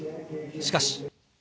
しかし。